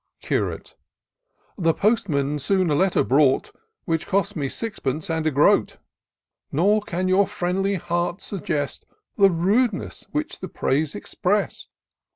Curate. " The postman soon a letter brought. Which cost me sixpence and a groat ; Nor can your friendly heart suggest The rudeness which the page express'd.